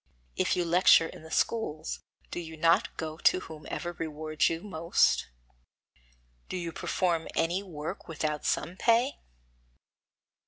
If you lecture in the schools, do you not go to whomsoever rewards you most? Do you perform any work without some pay?